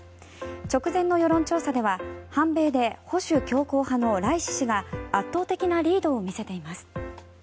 直前の世論調査では反米で保守強硬派のライシ師が圧倒的なリードを見せています。